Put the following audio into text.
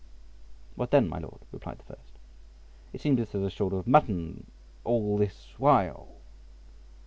"What then, my Lord?" replied the first; "it seems this is a shoulder of mutton all this while."